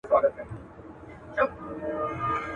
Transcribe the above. شراکت خو له کمزورو سره ښایي.